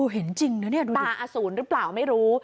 เห็นจริงนะเนี่ยดูตาอสูรหรือเปล่าไม่รู้